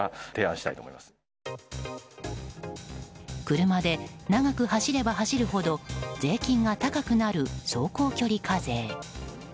車で長く走れば走るほど税金が高くなる走行距離課税。